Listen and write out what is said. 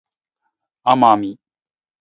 奄美